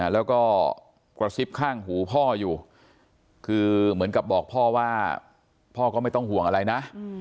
แล้วก็กระซิบข้างหูพ่ออยู่คือเหมือนกับบอกพ่อว่าพ่อก็ไม่ต้องห่วงอะไรนะ